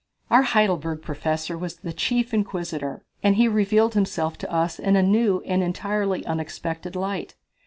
Our Heidelberg professor was the chief inquisitor, and he revealed himself to us in a new and entirely unexpected light.